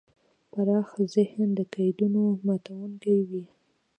پراخ ذهن د قیدونو ماتونکی وي.